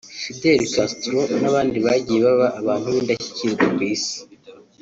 Fidel Castro n’abandi bagiye baba abantu b’indashyikirwa ku isi